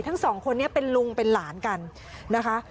ทั้งสองคนนี้เป็นลุงเป็นหลานกันนะคะ